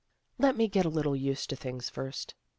" Let me get a little used to things first."